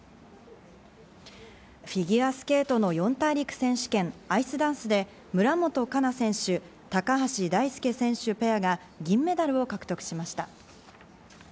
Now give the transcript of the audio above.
フィギアスケートの四大陸選手権、アイスダンスで、村元哉中選手、高橋大輔選手ペアが銀メダルを獲得しました。